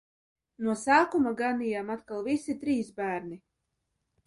No sākuma ganījām atkal visi trīs bērni.